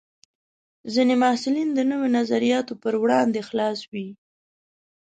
ځینې محصلین د نوو نظریاتو پر وړاندې خلاص وي.